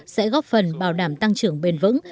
sẽ góp phần bảo đảm tăng trưởng bền vững